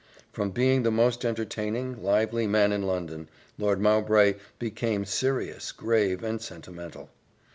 From being the most entertaining, lively man in London, Lord Mowbray became serious, grave, and sentimental.